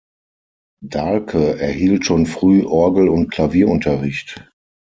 Dahlke erhielt schon früh Orgel- und Klavierunterricht.